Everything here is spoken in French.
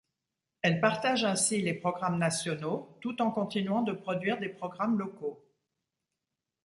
Elle partage ainsi les programmes nationaux tout en continuant de produire des programmes locaux.